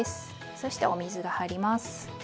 そしてお水が入ります。